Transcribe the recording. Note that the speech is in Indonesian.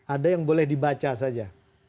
ada yang boleh dibaca saja